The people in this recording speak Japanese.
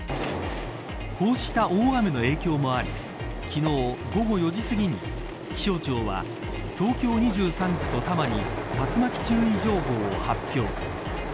こうした大雨の影響もあり昨日午後４時すぎに気象庁は東京２３区と多摩に竜巻注意情報を発表。